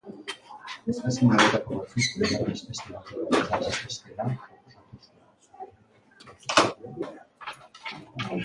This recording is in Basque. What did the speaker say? Espezimen horietako batzuk bigarren espezie batekoak izan zitezkeela proposatu zuen.